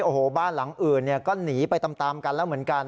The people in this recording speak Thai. โอ้โหบ้านหลังอื่นก็หนีไปตามกันแล้วเหมือนกัน